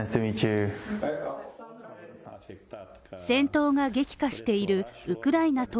戦闘が激化しているウクライナ